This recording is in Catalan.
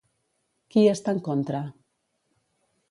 Qui hi està en contra?